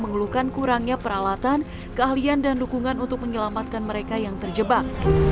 mengeluhkan kurangnya peralatan keahlian dan dukungan untuk menyelamatkan mereka yang terjebak